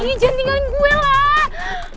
ih jangan tinggalin gue lah